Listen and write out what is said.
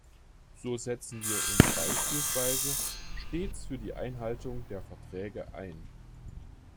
So setzen wir uns beispielsweise stets für die Einhaltung der Verträge ein.